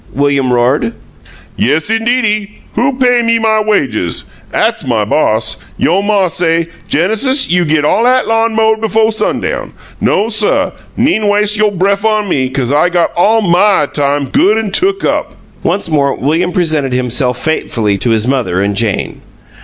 William roared. "Yes, indeedy! Who pay me my wages? 'At's MY boss. You' ma say, 'Genesis, you git all 'at lawn mowed b'fo' sundown.' No, suh! Nee'n' was'e you' bref on me, 'cause I'm got all MY time good an' took up!" Once more William presented himself fatefully to his mother and Jane.